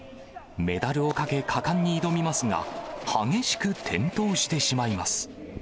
メダルをかけ、果敢に挑みますが、激しく転倒してしまいます。